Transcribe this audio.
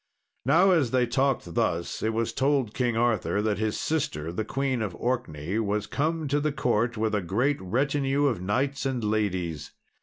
Now as they talked thus it was told King Arthur that his sister, the Queen of Orkney, was come to the court with a great retinue of knights and ladies.